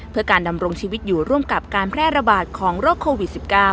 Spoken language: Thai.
เพื่อการดำรงชีวิตอยู่ร่วมกับการแพร่ระบาดของโรคโควิด๑๙